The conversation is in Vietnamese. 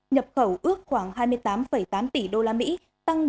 nhập khẩu ước khoảng hai mươi tám tám tỷ usd tăng bốn mươi bốn một